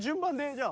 じゃあ。